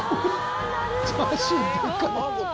チャーシューでかい！